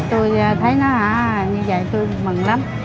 tôi thấy nó như vậy tôi mừng lắm